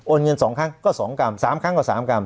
เงิน๒ครั้งก็๒กรัม๓ครั้งก็๓กรั